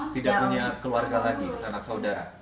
tidak punya keluarga lagi anak saudara